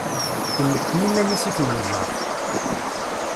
Imekken iman-is i tmenjeṛt.